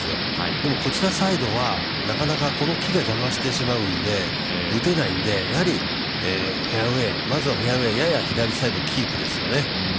でも、こちらサイドはこの木が邪魔してしまうので打てないので、やはり、まずはフェアウエーやや左サイドキープですよね。